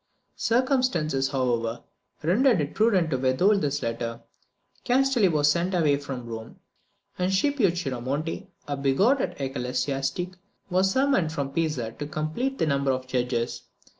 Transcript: Circumstances, however, rendered it prudent to withhold this letter. Castelli was sent away from Rome, and Scipio Chiaramonte, a bigotted ecclesiastic, was summoned from Pisa to complete the number of the judges.